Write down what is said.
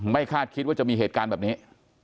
คาดคิดว่าจะมีเหตุการณ์แบบนี้